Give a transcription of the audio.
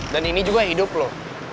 dan ini juga hidup lo